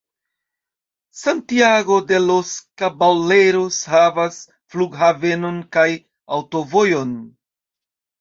Santiago de los Caballeros havas flughavenon kaj aŭtovojon.